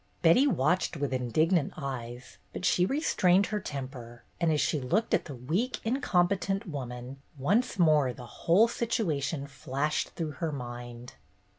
Betty watched with indignant eyes, but she restrained her temper, and as she looked at the weak, incompetent woman, once more the whole situation flashed through her mind.